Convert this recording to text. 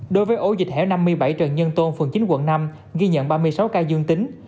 đối với ổ dịch hẻo năm mươi bảy trần nhân tôn phường chín quận năm ghi nhận ba mươi sáu ca dương tính